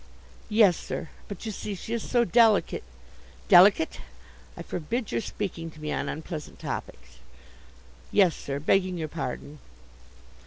"Yes, sir; but, you see, she is so delicate " "Delicate! I forbid your speaking to me on unpleasant topics." "Yes, sir; begging your pardon."